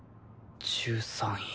１３位。